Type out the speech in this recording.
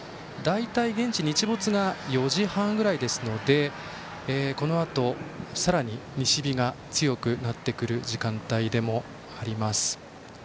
現地日没が４時半ぐらいですのでこのあと、さらに西日が強くなってくる時間帯です。